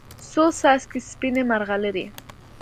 څو څاڅکي سپینې، مرغلرې